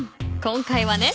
今回はね